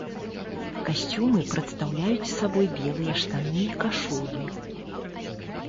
Касцюмы прадстаўляюць сабой белыя штаны і кашулі.